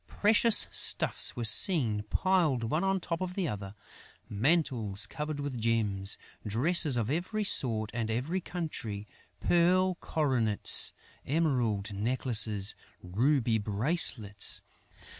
Precious stuffs were seen piled one on the top of the other: mantles covered with gems, dresses of every sort and every country, pearl coronets, emerald necklaces, ruby bracelets....